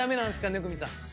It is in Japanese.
生見さん。